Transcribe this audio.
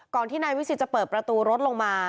ที่นายวิสิตจะเปิดประตูรถลงมา